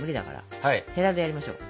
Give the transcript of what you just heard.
へらでやりましょう。